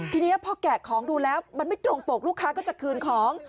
ทีนี้พอแกะของดูแล้วมันไม่ตรงปกลูกค้าก็จะคืนของ